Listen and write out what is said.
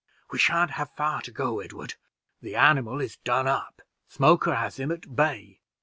"We shan't have far to go, Edward; the animal is done up: Smoker has him at bay."